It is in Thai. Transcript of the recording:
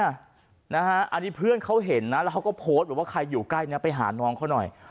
อันนี้เพื่อนเขาเห็นนะแล้วเขาก็โพสต์บอกว่าใครอยู่ใกล้นะไปหาน้องเขาหน่อย